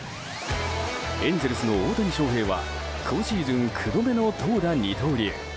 エンゼルスの大谷翔平は今シーズン９度目の投打二刀流。